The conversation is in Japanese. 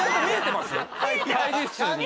会議室に。